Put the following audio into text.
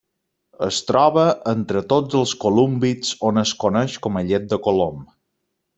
Es troba entre tots els colúmbids on es coneix com a llet de colom.